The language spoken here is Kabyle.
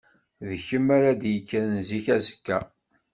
D kemm ara d-yekkren zik azekka.